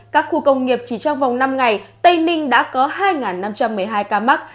các khu công nghiệp chỉ trong vòng năm ngày tây ninh đã có hai năm trăm một mươi hai ca mắc